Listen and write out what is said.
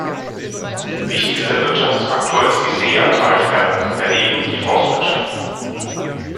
Wichtigster Wirtschaftsfaktor ist die Seja-Talsperre, daneben die Forstwirtschaft.